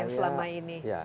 yang selama ini